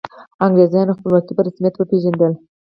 انګریزانو خپلواکي په رسمیت وپيژندله.